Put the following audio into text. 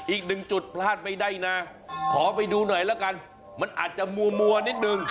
อีกหนึ่งจุดพลาดไม่ได้นะขอไปดูหน่อยแล้วกันมันอาจจะมัวนิดนึง